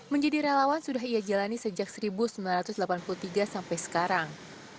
menjadi relawan sudah ia jalani sejak seribu sembilan ratus delapan puluh tiga sampai sekarang